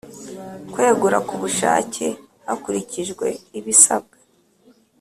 K wegura ku bushake hakurikijwe ibisabwa